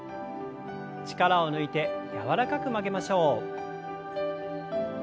力を抜いて柔らかく曲げましょう。